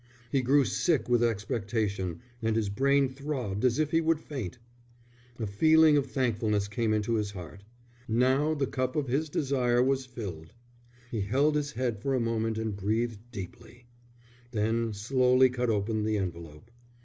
He grew sick with expectation and his brain throbbed as if he would faint. A feeling of thankfulness came into his heart. Now the cup of his desire was filled. He held his head for a moment and breathed deeply, then slowly cut open the envelope.